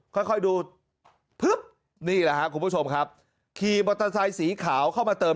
ค่อยดูนี่คุณผู้ชมครับขี่บอตเตอร์ไซค์สีขาวเข้ามาเติม